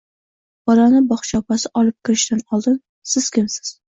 Bolani bog`cha opasi olib kirishdan oldin, Siz kimsiz